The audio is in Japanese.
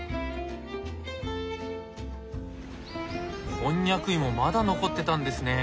コンニャク芋まだ残ってたんですね。